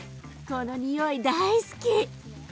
このにおい大好き！